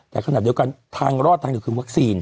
แต่ขณะเดียวกันทางรอดทางเดียวคือวัคซีน